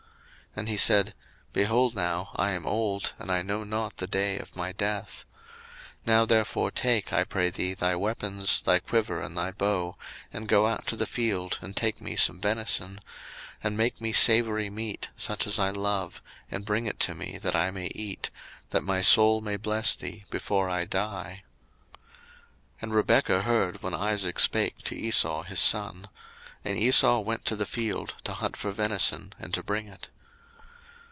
01:027:002 And he said, Behold now, I am old, I know not the day of my death: 01:027:003 Now therefore take, I pray thee, thy weapons, thy quiver and thy bow, and go out to the field, and take me some venison; 01:027:004 And make me savoury meat, such as I love, and bring it to me, that I may eat; that my soul may bless thee before I die. 01:027:005 And Rebekah heard when Isaac spake to Esau his son. And Esau went to the field to hunt for venison, and to bring it.